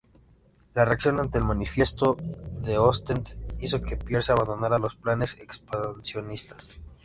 La reacción ante el Manifiesto de Ostende hizo que Pierce abandonara los planes expansionistas.